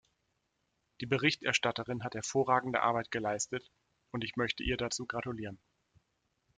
Die Berichterstatterin hat hervorragende Arbeit geleistet, und ich möchte ihr dazu gratulieren.